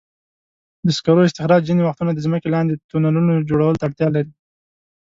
د سکرو استخراج ځینې وختونه د ځمکې لاندې د تونلونو جوړولو ته اړتیا لري.